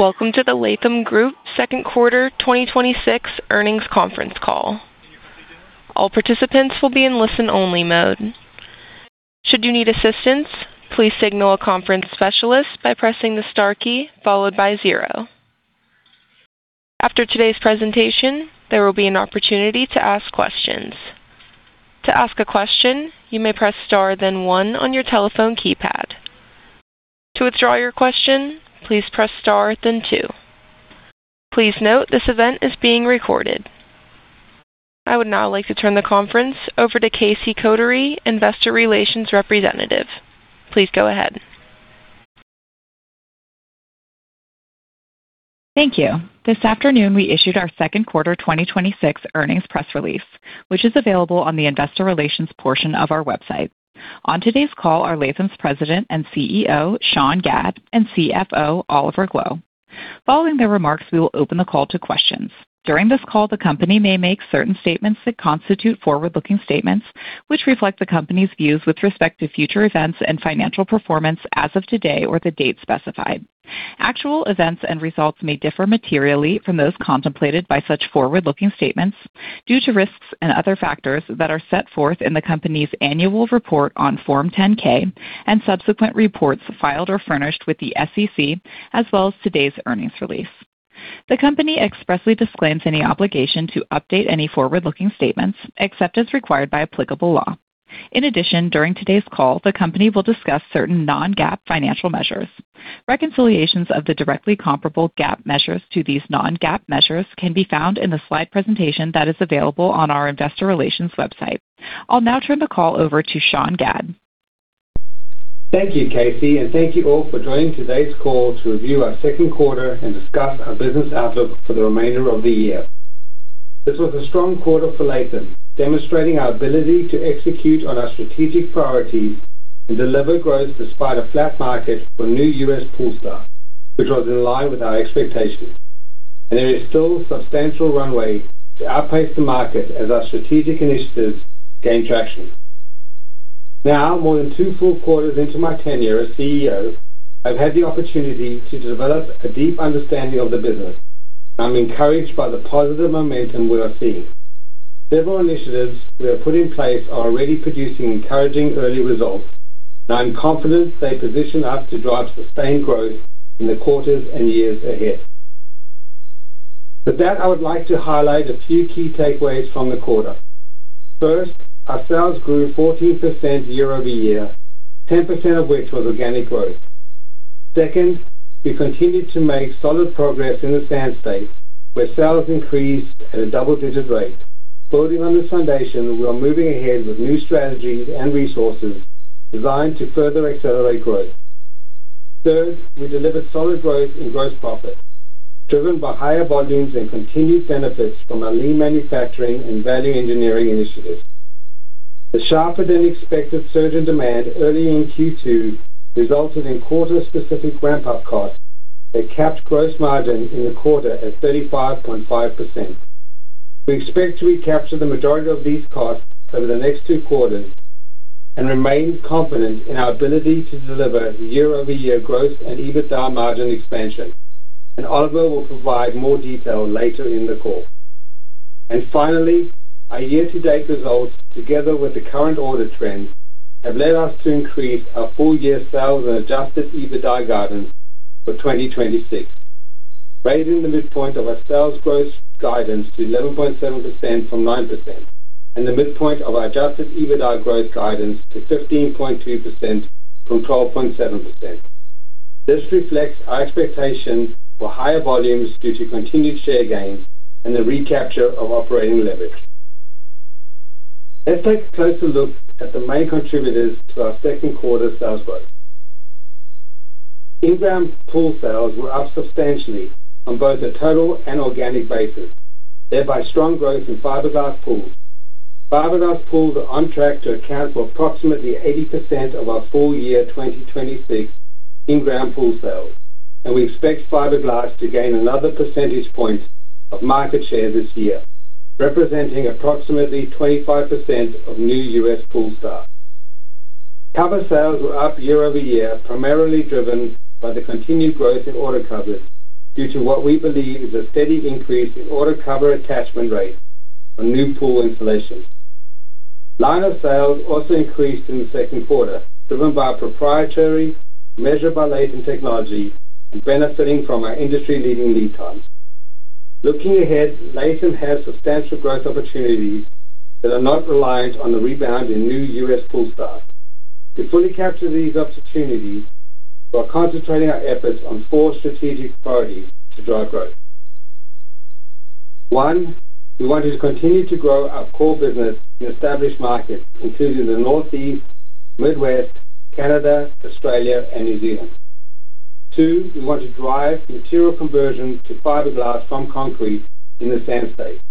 Welcome to the Latham Group second quarter 2026 earnings conference call. I would now like to turn the conference over to Casey Kotary, Investor Relations Representative. Please go ahead. Thank you. This afternoon, we issued our second quarter 2026 earnings press release, which is available on the Investor Relations portion of our website. On today's call are Latham's President and CEO, Sean Gadd, and CFO, Oliver Gloe. Following their remarks, we will open the call to questions. During this call, the company may make certain statements that constitute forward-looking statements, which reflect the company's views with respect to future events and financial performance as of today or the date specified. Actual events and results may differ materially from those contemplated by such forward-looking statements due to risks and other factors that are set forth in the company's annual report on Form 10-K and subsequent reports filed or furnished with the SEC, as well as today's earnings release. The company expressly disclaims any obligation to update any forward-looking statements except as required by applicable law. In addition during today's call, the company will discuss certain non-GAAP financial measures. Reconciliations of the directly comparable GAAP measures to these non-GAAP measures can be found in the slide presentation that is available on our Investor Relations website. I'll now turn the call over to Sean Gadd. Thank you, Casey, and thank you all for joining today's call to review our second quarter and discuss our business outlook for the remainder of the year. This was a strong quarter for Latham, demonstrating our ability to execute on our strategic priorities and deliver growth despite a flat market for new U.S. pool starts, which was in line with our expectations. There is still substantial runway to outpace the market as our strategic initiatives gain traction. Now, more than two full quarters into my tenure as CEO, I've had the opportunity to develop a deep understanding of the business. I'm encouraged by the positive momentum we are seeing. Several initiatives we have put in place are already producing encouraging early results. I'm confident they position us to drive sustained growth in the quarters and years ahead. With that, I would like to highlight a few key takeaways from the quarter. First, our sales grew 14% year-over-year, 10% of which was organic growth. Second, we continued to make solid progress in the Sand States, where sales increased at a double-digit rate. Building on this foundation, we are moving ahead with new strategies and resources designed to further accelerate growth. Third, we delivered solid growth in gross profit, driven by higher volumes and continued benefits from our lean manufacturing and value engineering initiatives. The sharper-than-expected surge in demand early in Q2 resulted in quarter-specific ramp-up costs that capped gross margin in the quarter at 35.5%. We expect to recapture the majority of these costs over the next two quarters and remain confident in our ability to deliver year-over-year growth and EBITDA margin expansion, Oliver will provide more detail later in the call. Finally, our year-to-date results, together with the current order trends, have led us to increase our full-year sales and adjusted EBITDA guidance for 2026, raising the midpoint of our sales growth guidance to 11.7% from 9%, and the midpoint of our adjusted EBITDA growth guidance to 15.2% from 12.7%. This reflects our expectation for higher volumes due to continued share gains and the recapture of operating leverage. Let's take a closer look at the main contributors to our second quarter sales growth. In-ground pool sales were up substantially on both a total and organic basis, thereby strong growth in fiberglass pools. Fiberglass pools are on track to account for approximately 80% of our full-year 2026 in-ground pool sales, and we expect fiberglass to gain another percentage point of market share this year, representing approximately 25% of new U.S. pool starts. Cover sales were up year-over-year, primarily driven by the continued growth in auto covers due to what we believe is a steady increase in auto cover attachment rate on new pool installations. Liner sales also increased in the second quarter, driven by our proprietary Measure by Latham technology and benefiting from our industry-leading lead times. Looking ahead, Latham has substantial growth opportunities that are not reliant on the rebound in new U.S. pool starts. To fully capture these opportunities, we are concentrating our efforts on four strategic priorities to drive growth. One, we wanted to continue to grow our core business in established markets, including the Northeast, Midwest, Canada, Australia, and New Zealand. Two, we want to drive material conversion to fiberglass from concrete in the Sand States.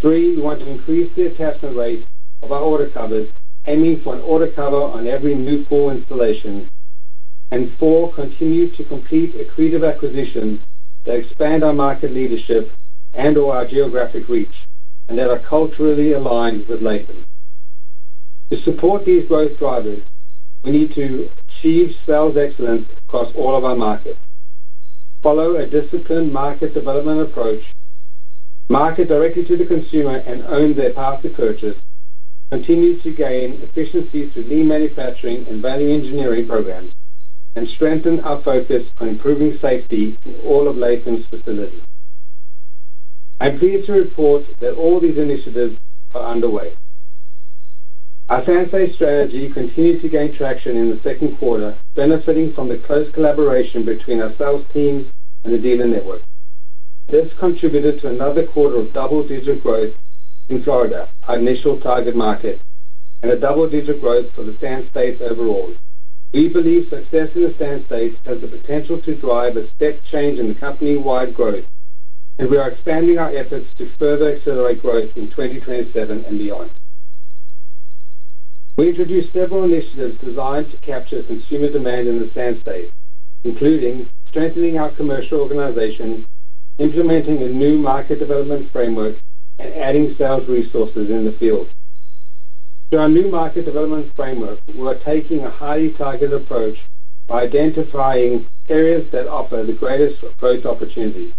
Three, we want to increase the attachment rate of our auto covers, aiming for an auto cover on every new pool installation. Four, continue to complete accretive acquisitions that expand our market leadership and/or our geographic reach, and that are culturally aligned with Latham. To support these growth drivers, we need to achieve sales excellence across all of our markets, follow a disciplined market development approach, market directly to the consumer, and own their path to purchase, continue to gain efficiencies through lean manufacturing and value engineering programs, and strengthen our focus on improving safety in all of Latham's facilities. I'm pleased to report that all these initiatives are underway. Our Sand States strategy continued to gain traction in the second quarter, benefiting from the close collaboration between our sales teams and the dealer network. This contributed to another quarter of double-digit growth in Florida, our initial target market, and a double-digit growth for the Sand States overall. We believe success in the Sand States has the potential to drive a step change in the company-wide growth, and we are expanding our efforts to further accelerate growth in 2027 and beyond. We introduced several initiatives designed to capture consumer demand in the Sand States, including strengthening our commercial organization, implementing a new market development framework, and adding sales resources in the field. Through our new market development framework, we are taking a highly targeted approach by identifying areas that offer the greatest growth opportunities.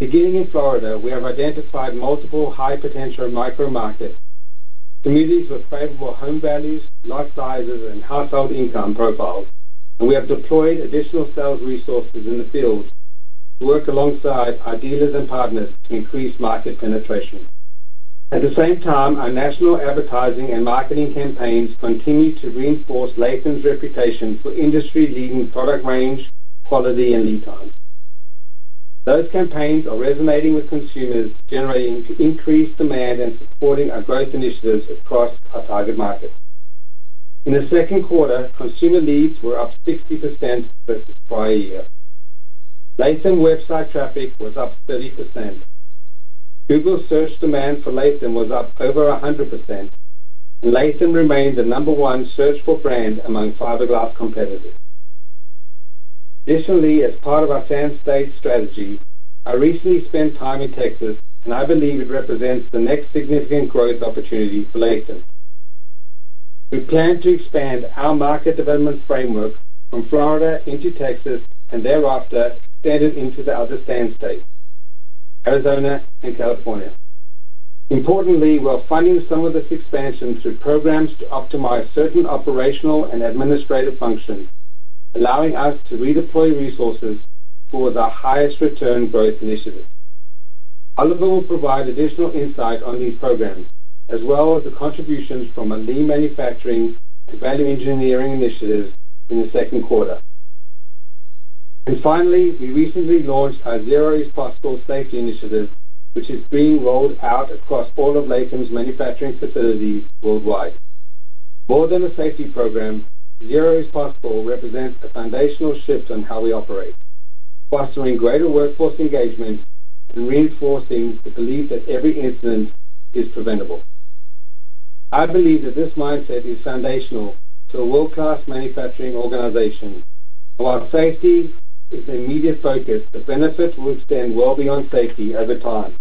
Beginning in Florida, we have identified multiple high-potential micro markets, communities with favorable home values, lot sizes, and household income profiles, and we have deployed additional sales resources in the field to work alongside our dealers and partners to increase market penetration. At the same time, our national advertising and marketing campaigns continue to reinforce Latham's reputation for industry-leading product range, quality, and lead times. Those campaigns are resonating with consumers, generating increased demand, and supporting our growth initiatives across our target markets. In the second quarter, consumer leads were up 60% versus prior year. Latham website traffic was up 30%. Google search demand for Latham was up over 100%, and Latham remains the number one searched-for brand among fiberglass competitors. Additionally, as part of our Sand States strategy, I recently spent time in Texas, and I believe it represents the next significant growth opportunity for Latham. We plan to expand our market development framework from Florida into Texas and thereafter extend it into the other Sand States, Arizona, and California. Importantly, we're funding some of this expansion through programs to optimize certain operational and administrative functions, allowing us to redeploy resources for the highest return growth initiatives. Oliver Gloe will provide additional insight on these programs, as well as the contributions from our lean manufacturing and value engineering initiatives in the second quarter. Finally, we recently launched our Zero Is Possible safety initiative, which is being rolled out across all of Latham's manufacturing facilities worldwide. More than a safety program, Zero Is Possible represents a foundational shift on how we operate, fostering greater workforce engagement and reinforcing the belief that every incident is preventable. I believe that this mindset is foundational to a world-class manufacturing organization. While safety is the immediate focus, the benefits will extend well beyond safety over time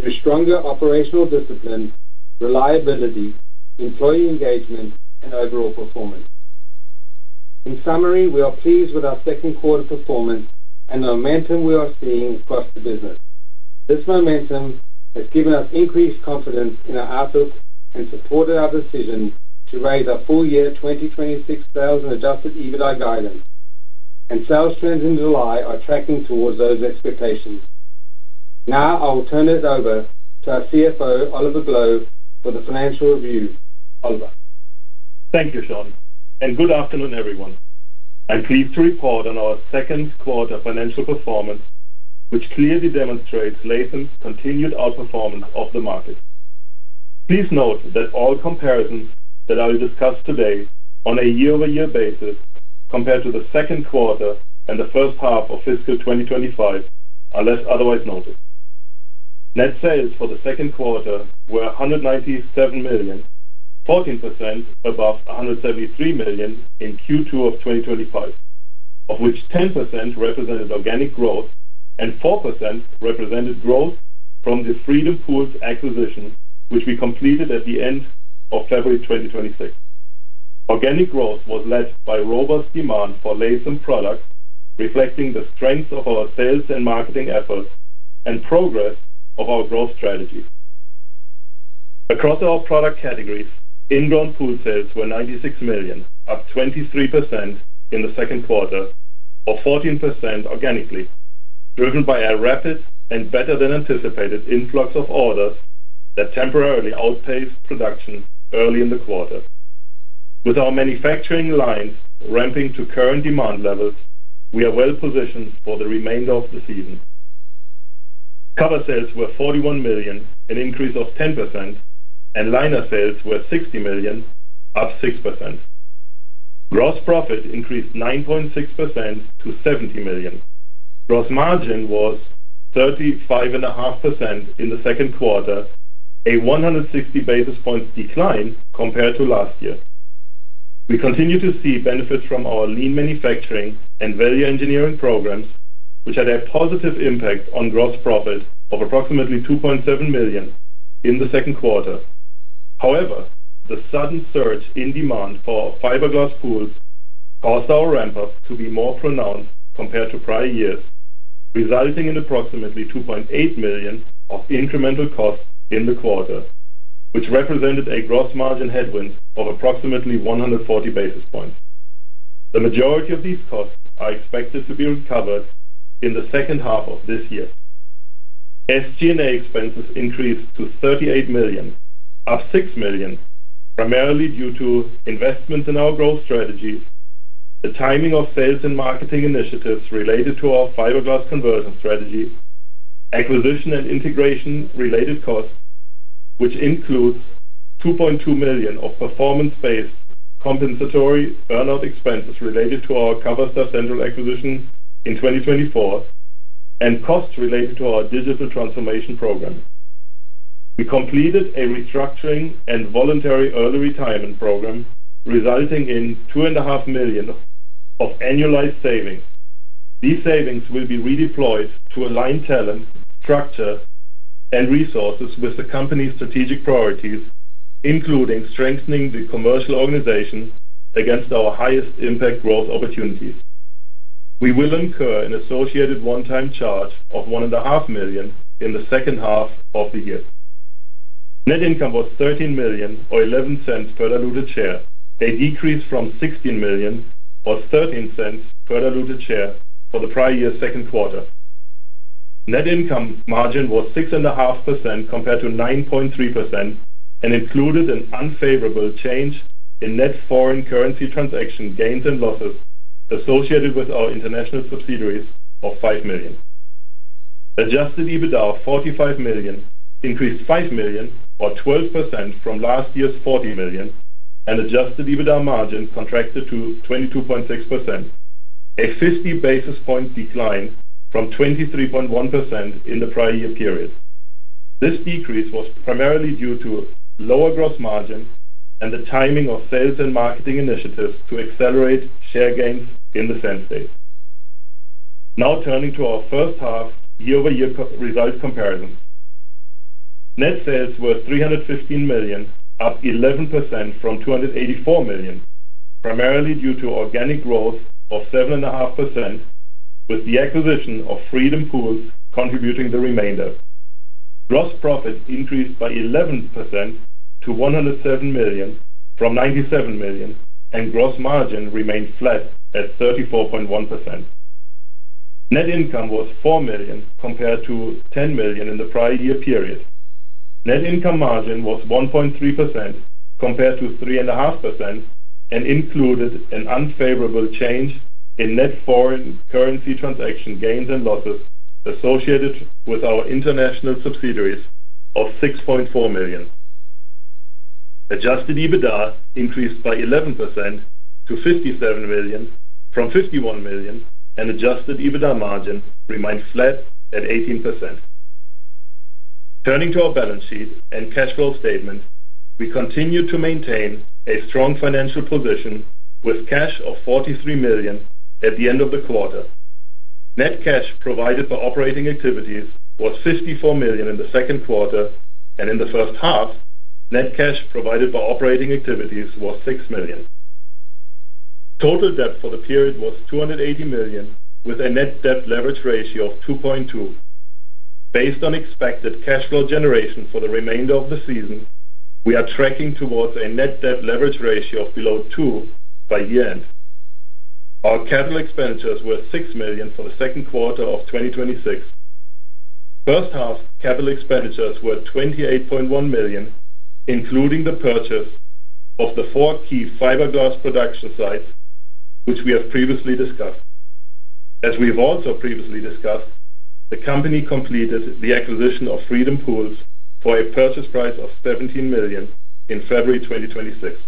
through stronger operational discipline, reliability, employee engagement, and overall performance. In summary, we are pleased with our second quarter performance and the momentum we are seeing across the business. This momentum has given us increased confidence in our outlook and supported our decision to raise our full year 2026 sales and adjusted EBITDA guidance, and sales trends in July are tracking towards those expectations. Now, I will turn it over to our CFO, Oliver Gloe, for the financial review. Oliver. Thank you, Sean, and good afternoon, everyone. I am pleased to report on our second quarter financial performance, which clearly demonstrates Latham's continued outperformance of the market. Please note that all comparisons that I will discuss today on a year-over-year basis compared to the second quarter and the first half of fiscal 2025, unless otherwise noted. Net sales for the second quarter were $197 million, 14% above $173 million in Q2 of 2025, of which 10% represented organic growth and 4% represented growth from the Freedom Pools acquisition, which we completed at the end of February 2026. Organic growth was led by robust demand for Latham products, reflecting the strength of our sales and marketing efforts and progress of our growth strategy. Across our product categories, in-ground pool sales were $96 million, up 23% in the second quarter or 14% organically, driven by a rapid and better-than-anticipated influx of orders that temporarily outpaced production early in the quarter. With our manufacturing lines ramping to current demand levels, we are well positioned for the remainder of the season. Cover sales were $41 million, an increase of 10%, and liner sales were $60 million, up 6%. Gross profit increased 9.6% to $70 million. Gross margin was 35.5% in the second quarter, a 160 basis points decline compared to last year. We continue to see benefits from our lean manufacturing and value engineering programs, which had a positive impact on gross profit of approximately $2.7 million in the second quarter. However, the sudden surge in demand for fiberglass pools caused our ramp-ups to be more pronounced compared to prior years, resulting in approximately $2.8 million of incremental costs in the quarter, which represented a gross margin headwind of approximately 140 basis points. The majority of these costs are expected to be recovered in the second half of this year. SG&A expenses increased to $38 million, up $6 million, primarily due to investments in our growth strategies, the timing of sales and marketing initiatives related to our fiberglass conversion strategy, acquisition and integration-related costs, which includes $2.2 million of performance-based compensatory earn-out expenses related to our Coverstar Central acquisitions in 2024, and costs related to our digital transformation program. We completed a restructuring and voluntary early retirement program, resulting in $2.5 million of annualized savings. These savings will be redeployed to align talent, structure, and resources with the company's strategic priorities, including strengthening the commercial organization against our highest impact growth opportunities. We will incur an associated one-time charge of $1.5 million in the second half of the year. Net income was $30 million, or $0.11 per diluted share, a decrease from $60 million, or $0.13 per diluted share for the prior year's second quarter. Net income margin was 6.5% compared to 9.3%, and included an unfavorable change in net foreign currency transaction gains and losses associated with our international subsidiaries of $5 million. Adjusted EBITDA of $45 million increased $5 million, or 12%, from last year's $40 million, and adjusted EBITDA margins contracted to 22.6%, a 50 basis point decline from 23.1% in the prior year period. This decrease was primarily due to lower gross margin and the timing of sales and marketing initiatives to accelerate share gains in the sand states. Turning to our first half year-over-year results comparison. Net sales were $315 million, up 11% from $284 million, primarily due to organic growth of 7.5%, with the acquisition of Freedom Pools contributing the remainder. Gross profit increased by 11% to $107 million from $97 million. Gross margin remained flat at 34.1%. Net income was $4 million compared to $10 million in the prior year period. Net income margin was 1.3% compared to 3.5%, and included an unfavorable change in net foreign currency transaction gains and losses associated with our international subsidiaries of $6.4 million. Adjusted EBITDA increased by 11% to $57 million from $51 million. Adjusted EBITDA margin remained flat at 18%. Turning to our balance sheet and cash flow statement, we continue to maintain a strong financial position with cash of $43 million at the end of the quarter. Net cash provided by operating activities was $54 million in the second quarter. In the first half, net cash provided by operating activities was $6 million. Total debt for the period was $280 million, with a net debt leverage ratio of 2.2. Based on expected cash flow generation for the remainder of the season, we are tracking towards a net debt leverage ratio of below two by year-end. Our capital expenditures were $6 million for the second quarter of 2026. First half capital expenditures were $28.1 million, including the purchase of the four key fiberglass production sites, which we have previously discussed. As we've also previously discussed, the company completed the acquisition of Freedom Pools for a purchase price of $17 million in February 2026.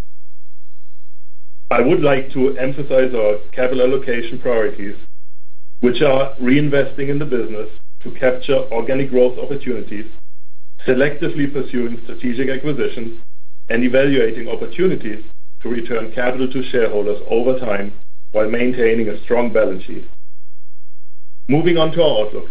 I would like to emphasize our capital allocation priorities, which are reinvesting in the business to capture organic growth opportunities, selectively pursuing strategic acquisitions, and evaluating opportunities to return capital to shareholders over time while maintaining a strong balance sheet. Moving on to our outlook.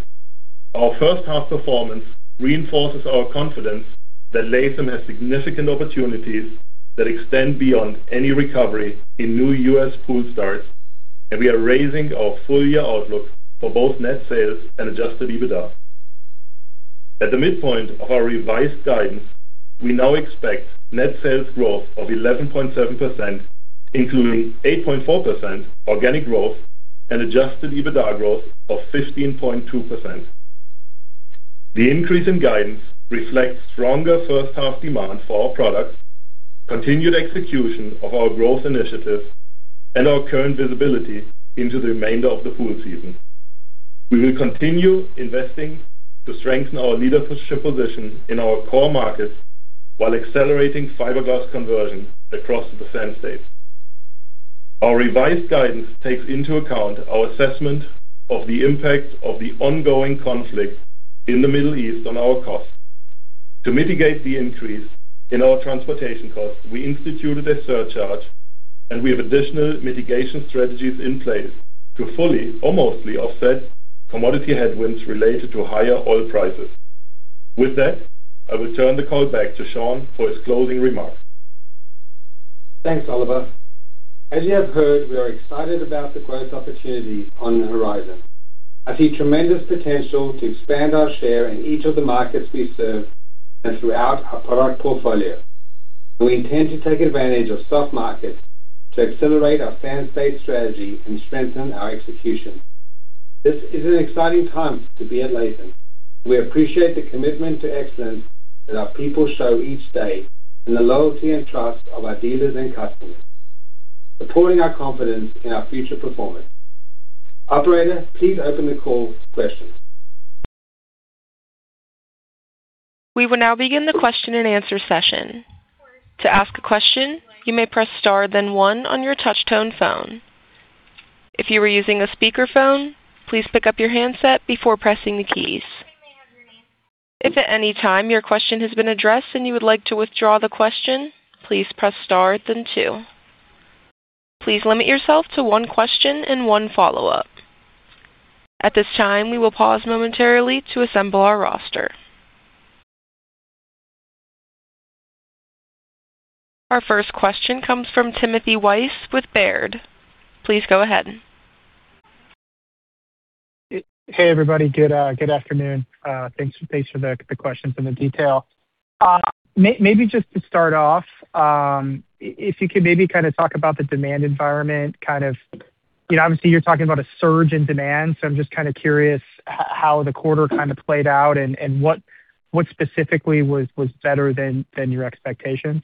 Our first half performance reinforces our confidence that Latham has significant opportunities that extend beyond any recovery in new U.S. pool starts. We are raising our full-year outlook for both net sales and Adjusted EBITDA. At the midpoint of our revised guidance, we now expect net sales growth of 11.7%, including 8.4% organic growth and Adjusted EBITDA growth of 15.2%. The increase in guidance reflects stronger first half demand for our products, continued execution of our growth initiatives, and our current visibility into the remainder of the pool season. We will continue investing to strengthen our leadership position in our core markets while accelerating fiberglass conversion across the sand states. Our revised guidance takes into account our assessment of the impact of the ongoing conflict in the Middle East on our costs. To mitigate the increase in our transportation costs, we instituted a surcharge. We have additional mitigation strategies in place to fully or mostly offset commodity headwinds related to higher oil prices. With that, I will turn the call back to Sean for his closing remarks. Thanks, Oliver. As you have heard, we are excited about the growth opportunities on the horizon. I see tremendous potential to expand our share in each of the markets we serve and throughout our product portfolio, and we intend to take advantage of soft markets to accelerate our Sand States strategy and strengthen our execution. This is an exciting time to be at Latham. We appreciate the commitment to excellence that our people show each day and the loyalty and trust of our dealers and customers, supporting our confidence in our future performance. Operator, please open the call for questions. We will now begin the question and answer session. Our first question comes from Timothy Wojs with Baird. Please go ahead. Hey, everybody. Good afternoon. Thanks for the questions and the detail. Maybe just to start off, if you could maybe talk about the demand environment. Obviously, you're talking about a surge in demand, so I'm just curious how the quarter played out and what specifically was better than your expectations?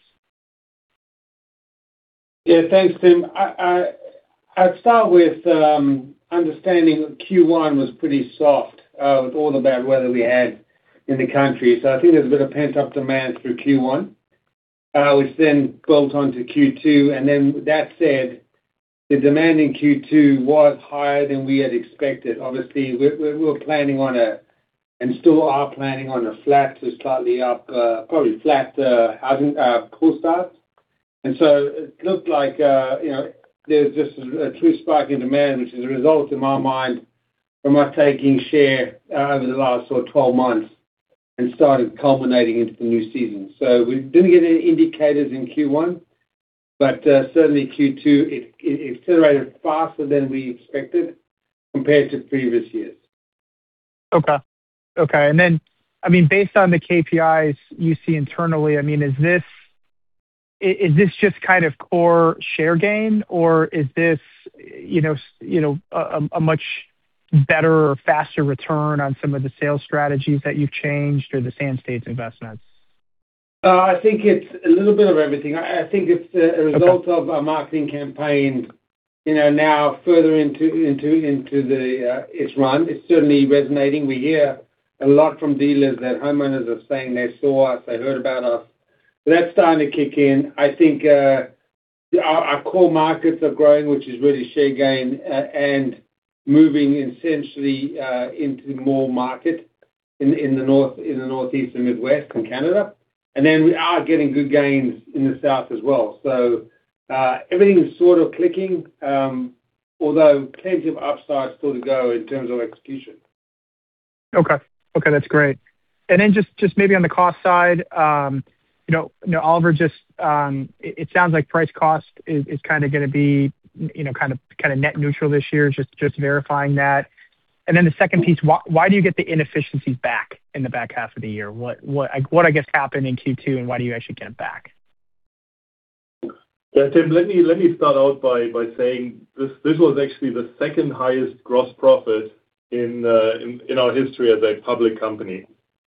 Yeah, thanks, Tim. I'd start with understanding Q1 was pretty soft with all the bad weather we had in the country. I think there's a bit of pent-up demand through Q1, which then built on to Q2, and then with that said, the demand in Q2 was higher than we had expected. Obviously, we were planning on a, and still are planning on a flat to slightly up, probably flat housing pull start. It looked like there's just a true spike in demand, which is a result, in my mind, from us taking share over the last sort of 12 months and started culminating into the new season. We didn't get any indicators in Q1, but certainly Q2, it accelerated faster than we expected compared to previous years. Okay. Based on the KPIs you see internally, is this just core share gain or is this a much better or faster return on some of the sales strategies that you've changed or the Sand State investments? I think it's a little bit of everything. I think it's a result of our marketing campaign now further into its run. It's certainly resonating. We hear a lot from dealers that homeowners are saying they saw us, they heard about us. That's starting to kick in. I think our core markets are growing, which is really share gain, moving essentially into more market in the Northeast and Midwest and Canada. We are getting good gains in the South as well. Everything is sort of clicking, although plenty of upside still to go in terms of execution. Okay. That's great. Just maybe on the cost side, Oliver, it sounds like price cost is going to be net neutral this year. Just verifying that. The second piece, why do you get the inefficiencies back in the back half of the year? What, I guess, happened in Q2, and why do you actually get it back? Yeah, Tim, let me start out by saying this was actually the second highest gross profit in our history as a public company.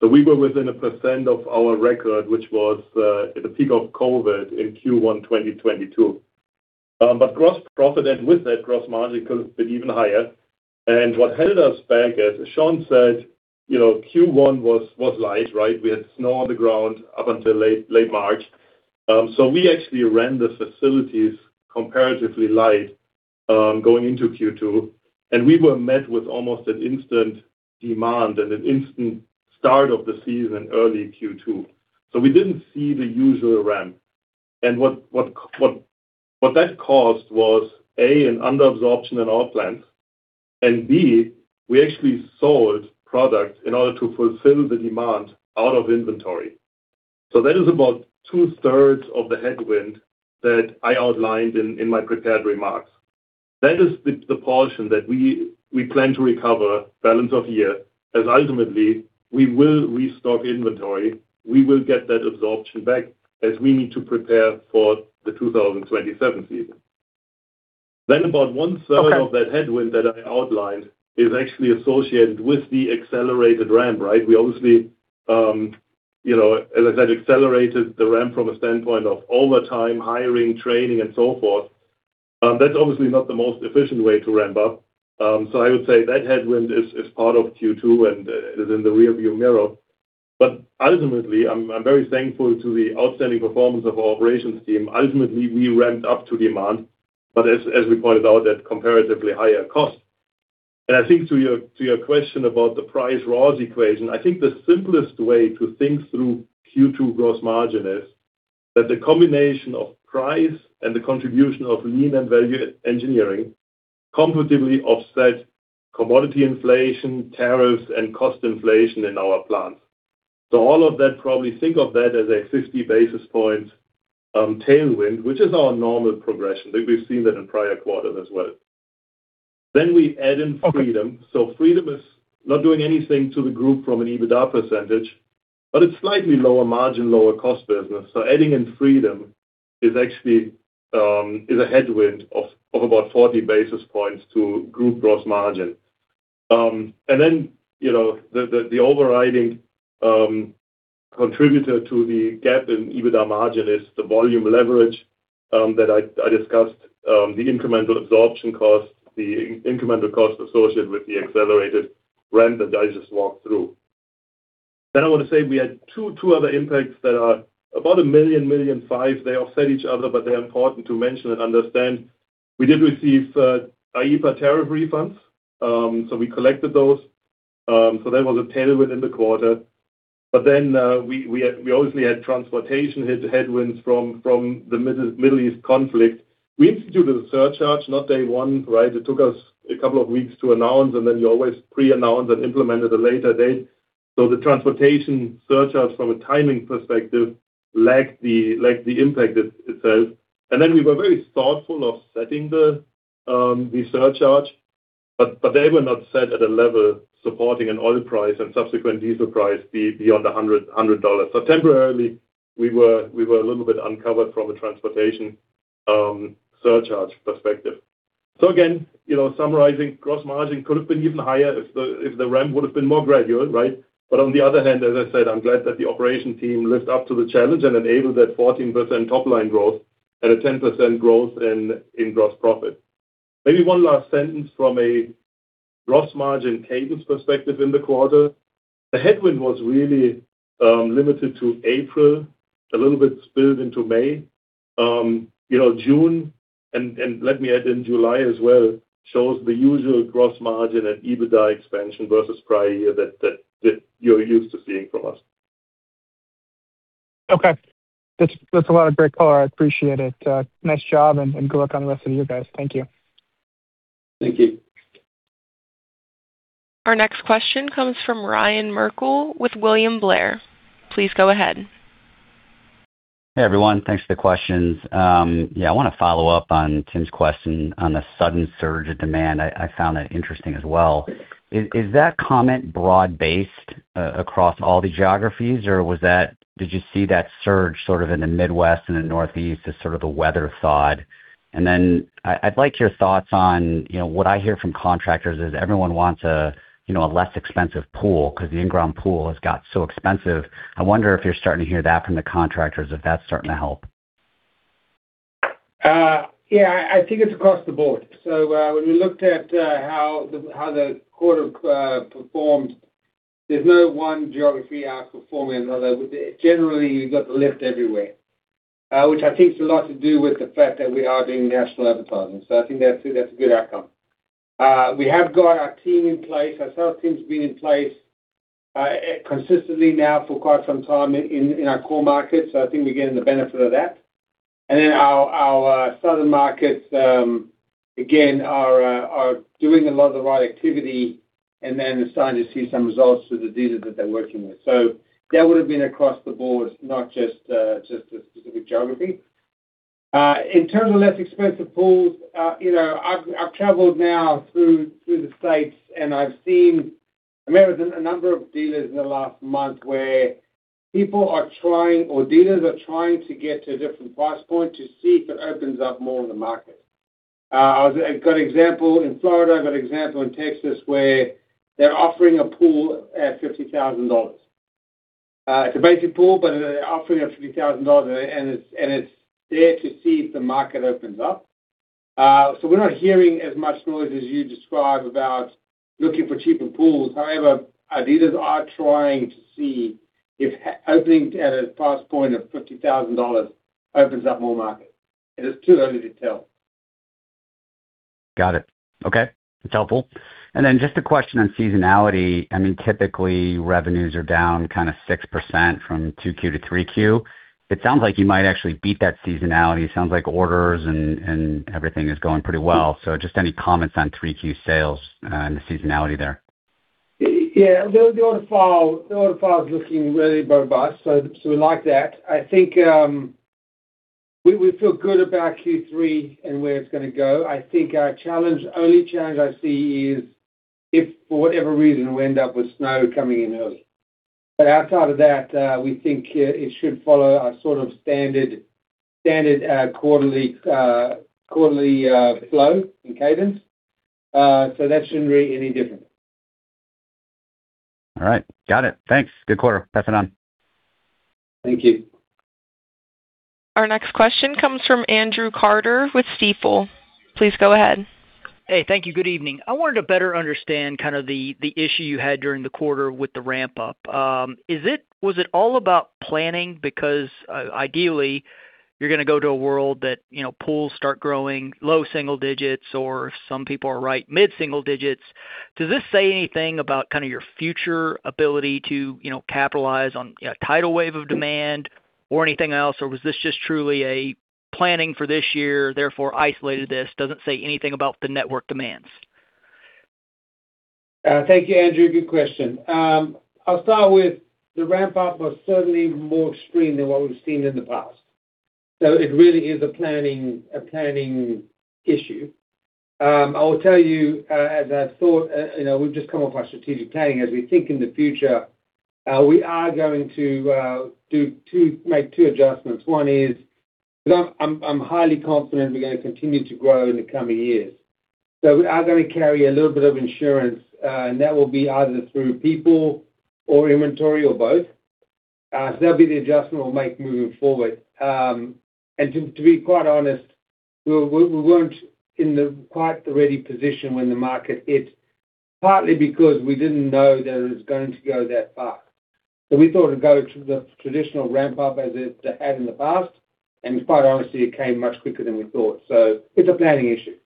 We were within a percent of our record, which was at the peak of COVID in Q1 2022. Gross profit and with that, gross margin could have been even higher. What held us back, as Sean said, Q1 was light, right? We had snow on the ground up until late March. We actually ran the facilities comparatively light, going into Q2, and we were met with almost an instant demand and an instant start of the season early Q2. We didn't see the usual ramp. What that caused was, A, an under-absorption in our plant, and B, we actually sold product in order to fulfill the demand out of inventory. That is about two-thirds of the headwind that I outlined in my prepared remarks. That is the portion that we plan to recover balance of year, as ultimately, we will restock inventory. We will get that absorption back as we need to prepare for the 2027 season. Okay. Of that headwind that I outlined is actually associated with the accelerated ramp, right? We obviously, as I said, accelerated the ramp from a standpoint of overtime, hiring, training, and so forth. That's obviously not the most efficient way to ramp up. I would say that headwind is part of Q2 and is in the rear-view mirror. Ultimately, I'm very thankful to the outstanding performance of our operations team. Ultimately, we ramped up to demand. As we pointed out, at comparatively higher cost. I think to your question about the price laws equation, I think the simplest way to think through Q2 gross margin is that the combination of price and the contribution of lean and value engineering competitively offset commodity inflation, tariffs, and cost inflation in our plants. All of that, probably think of that as a 50 basis point tailwind, which is our normal progression. I think we've seen that in prior quarters as well. We add in Freedom. Freedom is not doing anything to the group from an EBITDA percentage, but it's slightly lower margin, lower cost business. Adding in Freedom is actually, is a headwind of about 40 basis points to group gross margin. The overriding contributor to the gap in EBITDA margin is the volume leverage that I discussed, the incremental absorption cost, the incremental cost associated with the accelerated ramp that I just walked through. I want to say we had two other impacts that are about $1 million, $1.5 million. They offset each other, but they're important to mention and understand. We did receive IEEPA tariff refunds. We collected those. That was a tailwind in the quarter. We obviously had transportation headwinds from the Middle East conflict. We instituted a surcharge, not day one, right? It took us a couple of weeks to announce, and then you always pre-announce and implement at a later date. The transportation surcharge from a timing perspective lagged the impact itself. We were very thoughtful of setting the surcharge, but they were not set at a level supporting an oil price and subsequent diesel price beyond $100. Temporarily, we were a little bit uncovered from a transportation surcharge perspective. Again, summarizing, gross margin could have been even higher if the ramp would've been more gradual, right? On the other hand, as I said, I'm glad that the operation team lived up to the challenge and enabled that 14% top-line growth at a 10% growth in gross profit. Maybe one last sentence from a gross margin cadence perspective in the quarter. The headwind was really limited to April, a little bit spilled into May. June, and let me add in July as well, shows the usual gross margin and EBITDA expansion versus prior year that you're used to seeing from us. Okay. That's a lot of great color. I appreciate it. Nice job, good luck on the rest of you guys. Thank you. Thank you. Our next question comes from Ryan Merkel with William Blair. Please go ahead. Hey, everyone. Thanks for the questions. I wanna follow up on Tim's question on the sudden surge of demand. I found that interesting as well. Is that comment broad-based across all the geographies, or did you see that surge sort of in the Midwest and the Northeast as sort of the weather thawed? I'd like your thoughts on, what I hear from contractors is everyone wants a less expensive pool because the in-ground pool has got so expensive. I wonder if you're starting to hear that from the contractors, if that's starting to help. I think it's across the board. When we looked at how the quarter performed, there's no one geography outperforming another. Generally, you've got the lift everywhere, which I think is a lot to do with the fact that we are doing national advertising. I think that's a good outcome. We have got our team in place. Our sales team's been in place consistently now for quite some time in our core markets, I think we're getting the benefit of that. Our southern markets, again, are doing a lot of the right activity and then are starting to see some results through the dealers that they're working with. That would've been across the board, not just a specific geography. In terms of less expensive pools, I've traveled now through the States, and I've seen a number of dealers in the last month where people are trying, or dealers are trying to get to a different price point to see if it opens up more of the market. I've got an example in Florida, I've got an example in Texas, where they're offering a pool at $50,000. It's a basic pool, but they're offering it at $50,000, and it's there to see if the market opens up. We're not hearing as much noise as you describe about looking for cheaper pools. However, our dealers are trying to see if opening at a price point of $50,000 opens up more market. It is too early to tell. Got it. Okay. That's helpful. Just a question on seasonality. Typically, revenues are down 6% from 2Q to 3Q. It sounds like you might actually beat that seasonality. It sounds like orders and everything is going pretty well. Just any comments on 3Q sales and the seasonality there? Yeah. The order file is looking really robust. We like that. I think we feel good about Q3 and where it's gonna go. I think our challenge, only challenge I see is if for whatever reason we end up with snow coming in early. Outside of that, we think it should follow our sort of standard quarterly flow and cadence. That shouldn't be any different. All right. Got it. Thanks. Good quarter. Pressing on. Thank you. Our next question comes from Andrew Carter with Stifel. Please go ahead. Thank you. Good evening. I wanted to better understand kind of the issue you had during the quarter with the ramp-up. Was it all about planning? Ideally, you're going to go to a world that pools start growing low single digits, or if some people are right, mid single digits. Does this say anything about your future ability to capitalize on a tidal wave of demand or anything else? Was this just truly a planning for this year, therefore isolated this, doesn't say anything about the network demands? Thank you, Andrew. Good question. I'll start with the ramp-up was certainly more extreme than what we've seen in the past. It really is a planning issue. I will tell you, as I've thought, we've just come off our strategic planning. As we think in the future, we are going to make two adjustments. One is, I'm highly confident we're going to continue to grow in the coming years. We are going to carry a little bit of insurance, and that will be either through people or inventory or both. That'll be the adjustment we'll make moving forward. To be quite honest, we weren't in the quite the ready position when the market hit, partly because we didn't know that it was going to go that far. We thought it'd go to the traditional ramp-up as it had in the past. Quite honestly, it came much quicker than we thought. It's a planning issue.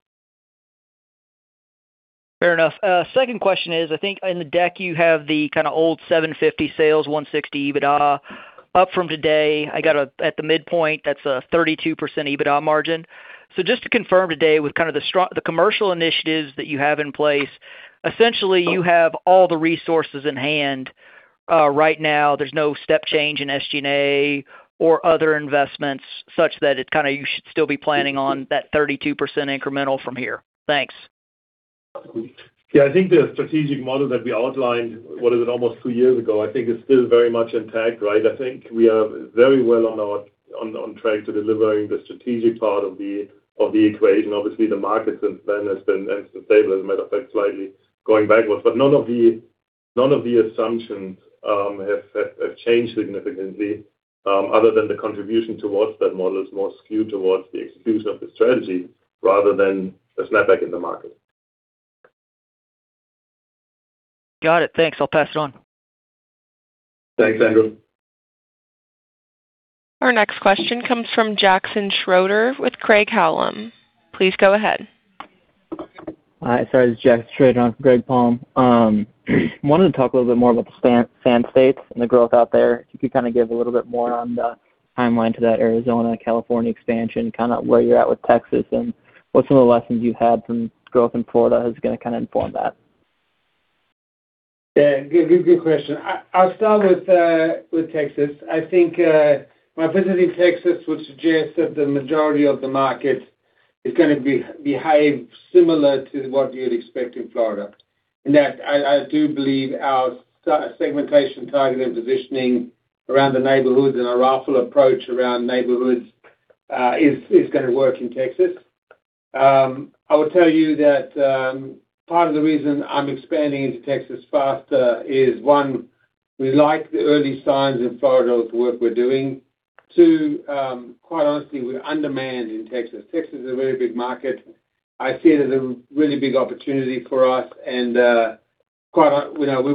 Fair enough. Second question is, I think in the deck you have the old $750 sales, $160 EBITDA up from today. I got at the midpoint, that's a 32% EBITDA margin. Just to confirm today, with the commercial initiatives that you have in place, essentially you have all the resources in hand right now. There's no step change in SG&A or other investments such that you should still be planning on that 32% incremental from here. Thanks. Yeah, I think the strategic model that we outlined, what is it? Almost two years ago, I think is still very much intact, right? I think we are very well on track to delivering the strategic part of the equation. Obviously, the market since then has been unstable, as a matter of fact, slightly going backwards. None of the assumptions have changed significantly other than the contribution towards that model is more skewed towards the execution of the strategy rather than a snap back in the market. Got it. Thanks. I'll pass it on. Thanks, Andrew. Our next question comes from Jackson Schroeder with Craig-Hallum. Please go ahead. Hi, sorry. This is Jackson Schroeder with Craig-Hallum. Wanted to talk a little bit more about the Sand States and the growth out there. If you could give a little bit more on the timeline to that Arizona, California expansion, where you're at with Texas, and what some of the lessons you've had from growth in Florida is going to inform that? Yeah. Good question. I'll start with Texas. I think my visit in Texas would suggest that the majority of the market is going to behave similar to what you'd expect in Florida. In that, I do believe our segmentation, targeting, positioning around the neighborhoods and our raffle approach around neighborhoods, is going to work in Texas. I will tell you that part of the reason I'm expanding into Texas faster is one, we like the early signs in Florida of the work we're doing. Two, quite honestly, we're under-manned in Texas. Texas is a very big market. I see it as a really big opportunity for us and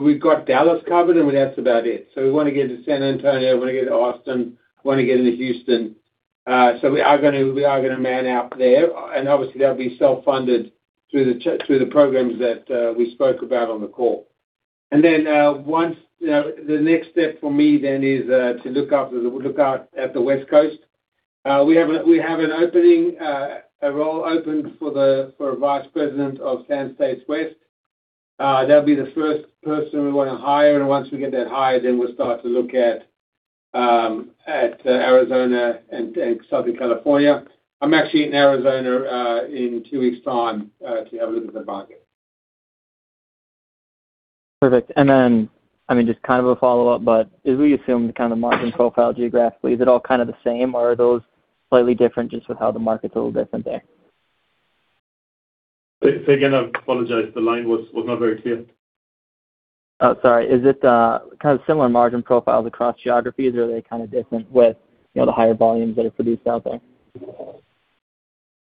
we've got Dallas covered, and that's about it. We want to get into San Antonio, want to get into Austin, want to get into Houston. We are going to man out there, and obviously, that'll be self-funded through the programs that we spoke about on the call. The next step for me then is to look out at the West Coast. We have a role open for a vice president of Sand States West. That'll be the first person we want to hire, and once we get that hire, then we'll start to look at Arizona and Southern California. I'm actually in Arizona in two weeks' time to have a look at the market. Perfect. Just a follow-up, as we assume the margin profile geographically, is it all the same or are those slightly different just with how the market's a little different there? Say again, I apologize. The line was not very clear. Oh, sorry. Is it similar margin profiles across geographies or are they different with the higher volumes that are produced out there?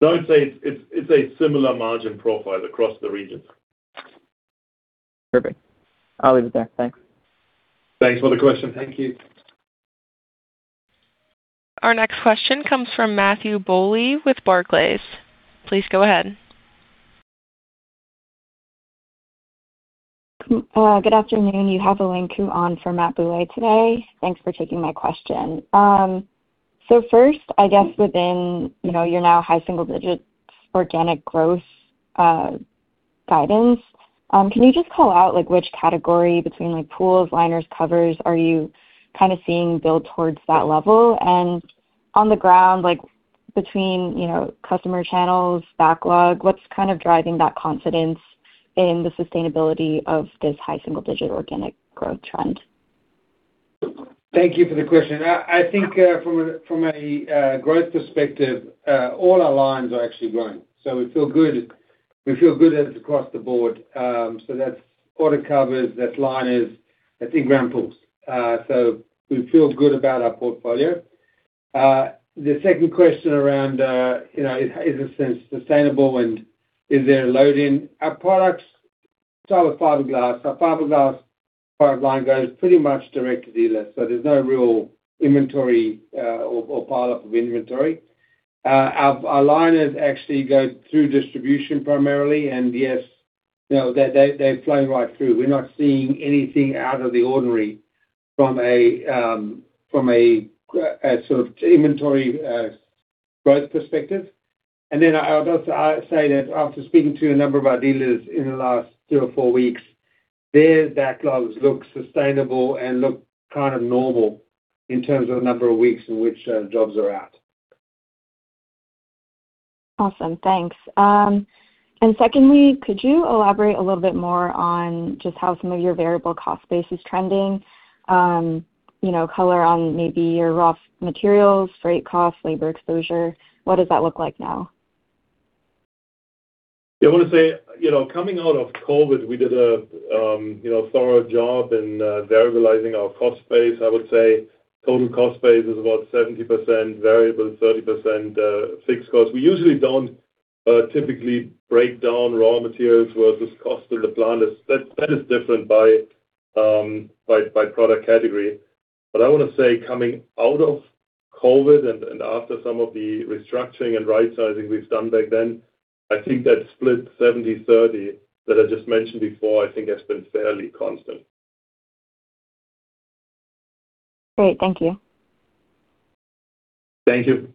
No, I'd say it's a similar margin profile across the regions. Perfect. I'll leave it there. Thanks. Thanks for the question. Thank you. Our next question comes from Matthew Bouley with Barclays. Please go ahead. Good afternoon. You have Elaine Ku on for Matttew Bouley today. Thanks for taking my question. First, I guess within your now high single digits organic growth guidance, can you just call out which category between pools, liners, covers are you seeing build towards that level? And on the ground, between customer channels, backlog, what's driving that confidence in the sustainability of this high single digit organic growth trend? Thank you for the question. I think from a growth perspective, all our lines are actually growing. We feel good as across the board. That's auto covers, that's liners, that's in-ground pools. We feel good about our portfolio. The second question around, is this sustainable and is there a load in our products? Start with fiberglass. Our fiberglass product line goes pretty much direct to dealers, so there's no real inventory, or pileup of inventory. Our liners actually go through distribution primarily. Yes, they're flowing right through. We're not seeing anything out of the ordinary from a sort of inventory growth perspective. I would also say that after speaking to a number of our dealers in the last two or four weeks, their backlogs look sustainable and look kind of normal in terms of the number of weeks in which jobs are out. Awesome. Thanks. Secondly, could you elaborate a little bit more on just how some of your variable cost base is trending? Color on maybe your raw materials, freight costs, labor exposure. What does that look like now? Yeah, I want to say, coming out of COVID, we did a thorough job in variabilizing our cost base. I would say total cost base is about 70% variable, 30% fixed cost. We usually don't typically break down raw materials versus cost to the plant. That is different by product category. I want to say coming out of COVID and after some of the restructuring and right-sizing we've done back then, I think that split 70/30 that I just mentioned before, I think has been fairly constant. Great. Thank you. Thank you.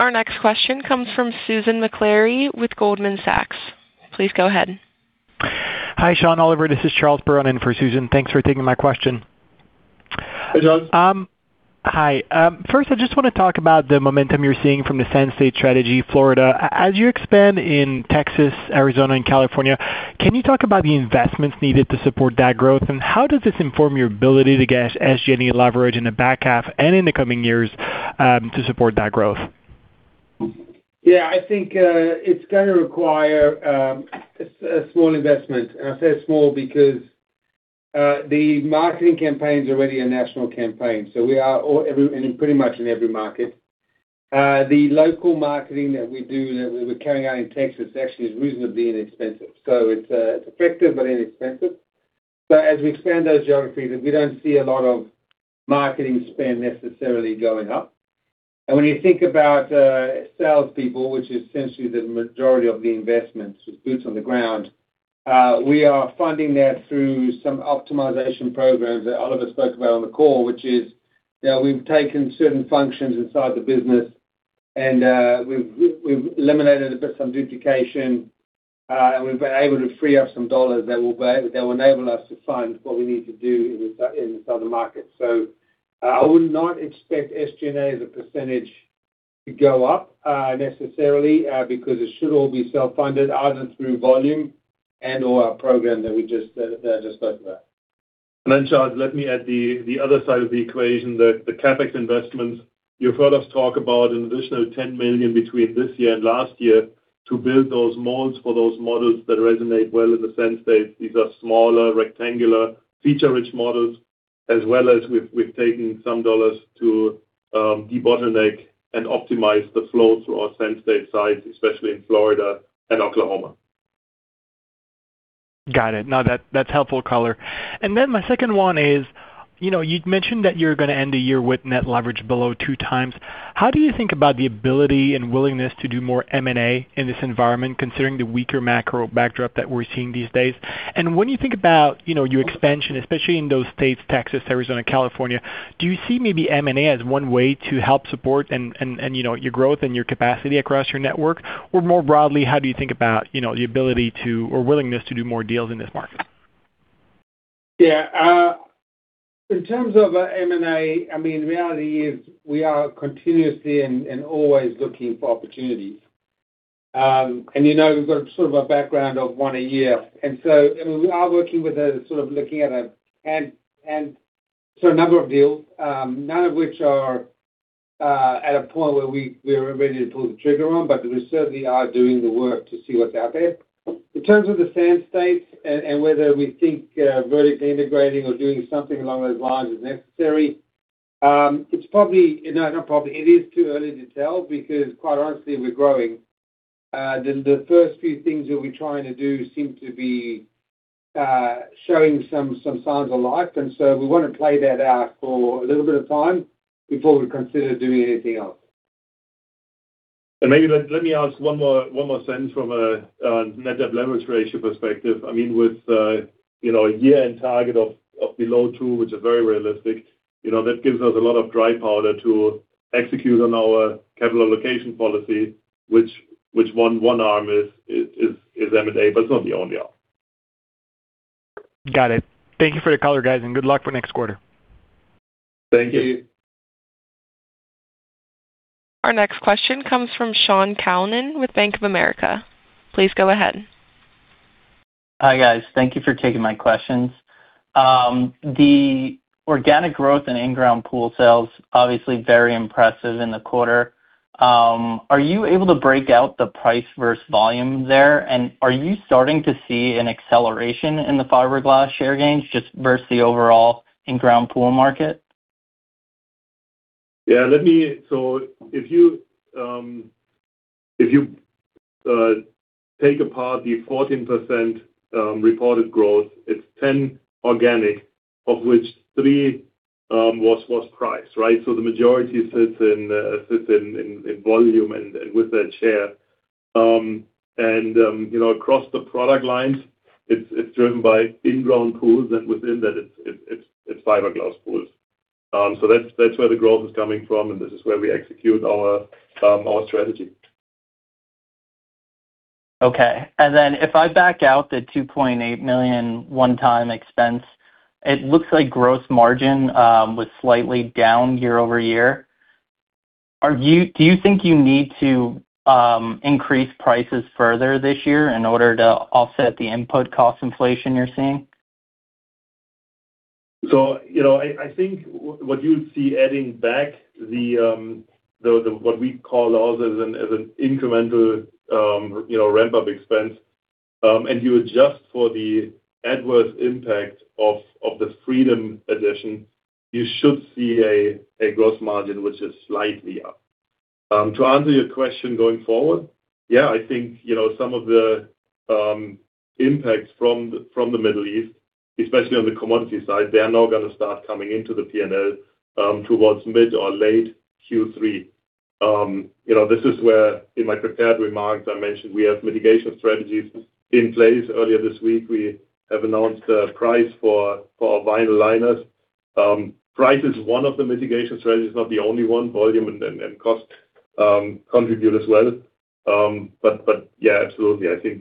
Our next question comes from Susan Maklari with Goldman Sachs. Please go ahead. Hi, Sean, Oliver. This is Charles Perron-Piché in for Susan. Thanks for taking my question. Hey, Charles. Hi. First I just wanna talk about the momentum you're seeing from the Sand State strategy, Florida. As you expand in Texas, Arizona, and California, can you talk about the investments needed to support that growth, and how does this inform your ability to get SG&A leverage in the back half and in the coming years to support that growth? Yeah, I think it's gonna require a small investment, and I say small because the marketing campaign's already a national campaign. We are in pretty much in every market. The local marketing that we do, that we're carrying out in Texas actually is reasonably inexpensive. It's effective but inexpensive. As we expand those geographies, we don't see a lot of marketing spend necessarily going up. When you think about salespeople, which is essentially the majority of the investments with boots on the ground, we are funding that through some optimization programs that Oliver spoke about on the call, which is we've taken certain functions inside the business and we've eliminated a bit, some duplication, and we've been able to free up some dollars that will enable us to fund what we need to do in the southern market. I would not expect SG&A as a percentage to go up necessarily, because it should all be self-funded either through volume and/or our program that I just spoke about. Charles, let me add the other side of the equation, the CapEx investments. You've heard us talk about an additional $10 million between this year and last year to build those molds for those models that resonate well in the Sand State. These are smaller, rectangular, feature-rich models, as well as we've taken some dollars to debottleneck and optimize the flow through our Sand State sites, especially in Florida and Oklahoma. Got it. No, that's helpful color. My second one is, you'd mentioned that you're gonna end the year with net leverage below 2x. How do you think about the ability and willingness to do more M&A in this environment, considering the weaker macro backdrop that we're seeing these days? When you think about your expansion, especially in those states, Texas, Arizona, California, do you see maybe M&A as one way to help support and your growth and your capacity across your network? More broadly, how do you think about the ability to or willingness to do more deals in this market? Yeah. In terms of M&A, the reality is we are continuously and always looking for opportunities. We've got sort of a background of one a year. We are working with a number of deals, none of which are at a point where we are ready to pull the trigger on, but we certainly are doing the work to see what's out there. In terms of the Sand States and whether we think vertically integrating or doing something along those lines is necessary, it's probably, no, not probably, it is too early to tell because quite honestly, we're growing. The first few things that we're trying to do seem to be showing some signs of life. We want to play that out for a little bit of time before we consider doing anything else. Maybe let me add one more thing from a net debt leverage ratio perspective. With a year-end target of below two, which is very realistic, that gives us a lot of dry powder to execute on our capital allocation policy, which one arm is M&A, but it's not the only arm. Got it. Thank you for the color, guys. Good luck for next quarter. Thank you. Thank you. Our next question comes from Shaun Calnan with Bank of America. Please go ahead. Hi, guys. Thank you for taking my questions. The organic growth in in-ground pool sales, obviously very impressive in the quarter. Are you able to break out the price versus volume there, and are you starting to see an acceleration in the fiberglass share gains just versus the overall in-ground pool market? Yeah. If you take apart the 14% reported growth, it's 10% organic, of which 3% was price, right? The majority sits in volume and with that, share. Across the product lines, it's driven by in-ground pools, and within that, it's fiberglass pools. That's where the growth is coming from, and this is where we execute our strategy. Okay. If I back out the $2.8 million one-time expense, it looks like gross margin was slightly down year-over-year. Do you think you need to increase prices further this year in order to offset the input cost inflation you're seeing? I think what you'll see adding back what we call also as an incremental ramp-up expense, and you adjust for the adverse impact of the Freedom addition, you should see a gross margin which is slightly up. To answer your question going forward, yeah, I think some of the impacts from the Middle East, especially on the commodity side, they are now gonna start coming into the P&L towards mid or late Q3. This is where, in my prepared remarks, I mentioned we have mitigation strategies in place. Earlier this week, we have announced a price for our vinyl liners. Price is one of the mitigation strategies, not the only one. Volume and cost contribute as well. Yeah, absolutely. I think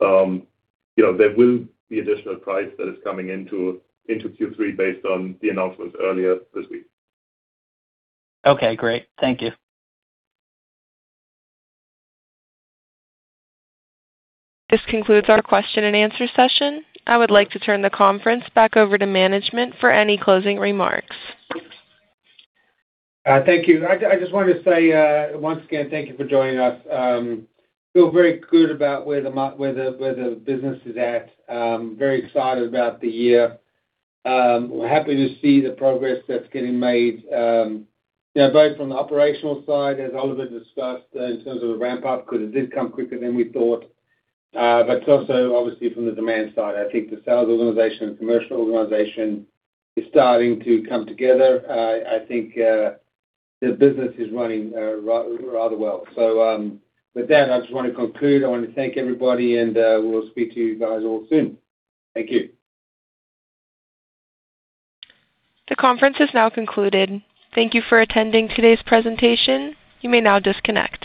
there will be additional price that is coming into Q3 based on the announcements earlier this week. Okay, great. Thank you. This concludes our question and answer session. I would like to turn the conference back over to management for any closing remarks. Thank you. I just wanted to say, once again, thank you for joining us. Feel very good about where the business is at. Very excited about the year. We're happy to see the progress that's getting made, both from the operational side, as Oliver discussed, in terms of the ramp-up, because it did come quicker than we thought, but also, obviously from the demand side. I think the sales organization and commercial organization is starting to come together. I think the business is running rather well. With that, I just want to conclude. I want to thank everybody, and we'll speak to you guys all soon. Thank you. The conference is now concluded. Thank you for attending today's presentation. You may now disconnect.